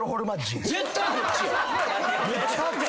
絶対こっちやん。